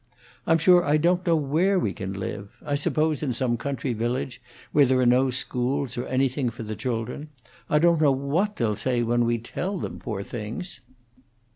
I'm sure I don't know where we can live on it. I suppose in some country village, where there are no schools, or anything for the children. I don't know what they'll say when we tell them, poor things."